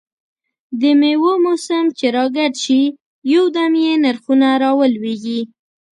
دمېوو موسم چې را ګډ شي، یو دم یې نرخونه را ولوېږي.